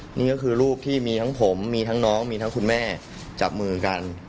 นี่ก็คือรูปที่มีทั้งผมมีทั้งน้องมีทั้งคุณแม่จับมือกัน